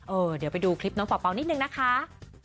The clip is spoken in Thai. เดี๋ยวไปดูคลิปน้องเป่านิดนึงนะคะ